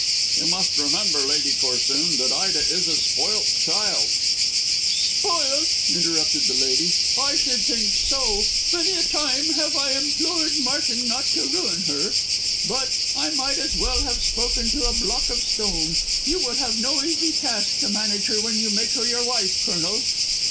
"You must remember, Lady Corsoon, that Ida is a spoilt child " "Spoilt!" interrupted the lady; "I should think so. Many a time have I implored Martin not to ruin her; but I might as well have spoken to a block of stone. You will have no easy task to manage her when you make her your wife, Colonel."